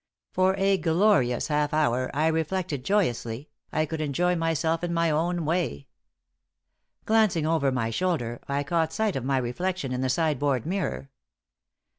For a glorious half hour, I reflected joyously, I could enjoy myself in my own way. Glancing over my shoulder, I caught sight of my reflection in the sideboard mirror.